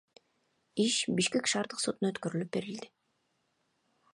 Иш Бишкек шаардык сотуна өткөрүлүп берилди.